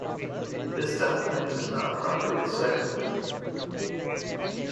This document is not properly cited.